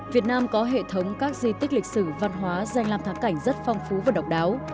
việt nam có hệ thống các di tích lịch sử văn hóa danh làm thắng cảnh rất phong phú và độc đáo